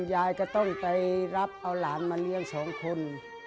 ยายก็ต้องไปรับเอาหลานมาเลี้ยงสองคน